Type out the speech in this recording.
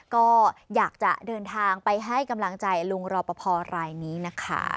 ก็อยากจะเดินทางไปให้กำลังใจลุงรอปภรายนี้นะคะ